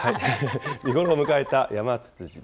見頃を迎えたヤマツツジ。